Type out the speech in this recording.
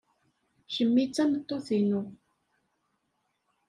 Kemmi d tameṭṭut-inu.